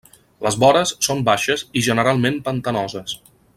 Les vores són baixes i generalment pantanoses.